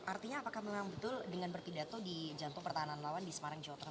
artinya apakah memang betul dengan berpidato di jantung pertahanan lawan di semarang jawa tengah